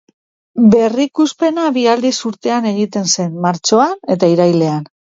Berrikuspena bi aldiz urtean egiten zen, martxoan eta irailean.